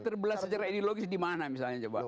terbelah secara ideologis dimana misalnya coba